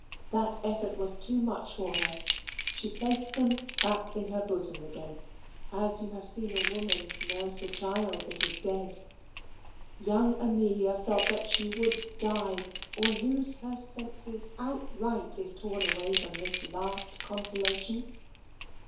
That effort was too much for her; she placed them back in her bosom again as you have seen a woman nurse a child that is dead. Young Amelia felt that she would die or lose her senses outright, if torn away from this last consolation.